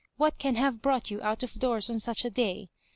What can have brought you out of doors on such a day